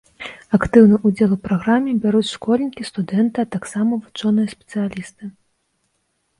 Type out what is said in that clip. Актыўны ўдзел у праграме бяруць школьнікі, студэнты, а таксама вучоныя і спецыялісты.